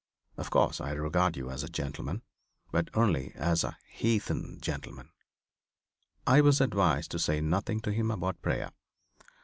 Of course I regard you as a gentleman, but only as a =heathen= gentleman." I was advised to say nothing to him about prayer.